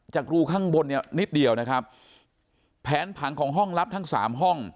จากรูข้างบนนิดเดียวแผนผังของห้องลับทั้ง๓ห้อง